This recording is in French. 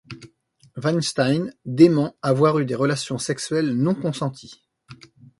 Weinstein dément avoir eu des relations sexuelles non consenties.